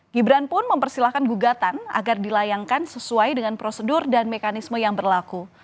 gibran pun mempersilahkan gugatan agar dilayangkan sesuai dengan prosedur dan mekanisme yang berlaku